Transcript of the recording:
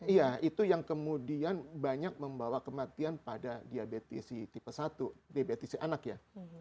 iya itu yang kemudian banyak membawa kematian pada diabetes si tipe satu diabetes si anak ya